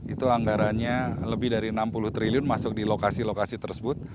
itu anggarannya lebih dari enam puluh triliun masuk di lokasi lokasi tersebut